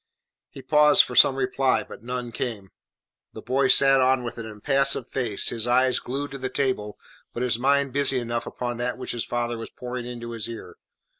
He paused for some reply, but none came. The boy sat on with an impassive face, his eyes glued to the table, but his mind busy enough upon that which his father was pouring into his ear.